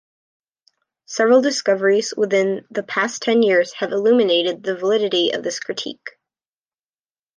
Several discoveries within the past ten years have illuminated the validity of this critique.